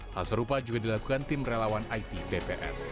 hal serupa juga dilakukan tim relawan itbpn